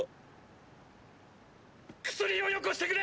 薬をよこしてくれ！！